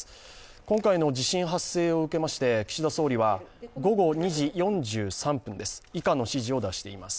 今回の地震発生を受けまして、岸田総理は午後２時４３分、以下の指示を出しています